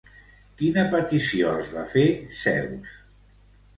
Quina petició els va fer Zeus?